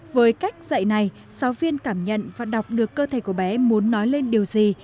với cách dạy này giáo viên cảm nhận và đọc được cơ thầy của bé muốn nói lên điều gì